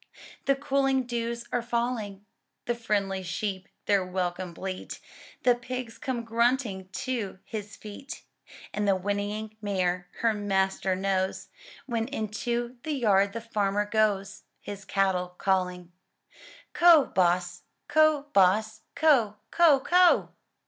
The cooling dews are falling; — The friendly sheep their welcome bleat. The pigs come grunting to his feet. And the whinnying mare her master knows, When into the yard the farmer goes, His cattle calling, — "Co', boss! CO', boss! co'! coM co'!"